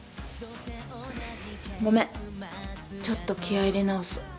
ごめんちょっと気合い入れ直す。